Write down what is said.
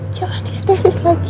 jangan istesis lagi